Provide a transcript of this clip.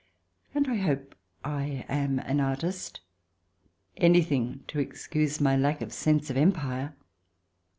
And I hope I am an artist. Anything to excuse my lack of sense of Empire